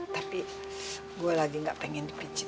tapi gue lagi gak pengen dipicu